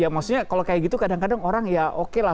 maksudnya kalau kayak gitu kadang kadang orang ya oke lah